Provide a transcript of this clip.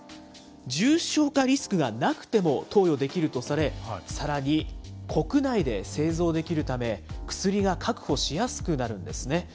重症化リスクがなくても投与できるとされ、さらに国内で製造できるため、薬が確保しやすくなるんですね。